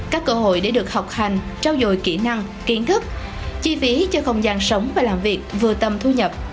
các cơ hội để được học hành trau dồi kỹ năng kiến thức chi phí cho không gian sống và làm việc vừa tâm thu nhập